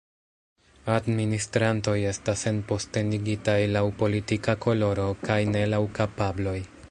Administrantoj estas enpostenigitaj laŭ politika koloro, kaj ne laŭ kapabloj.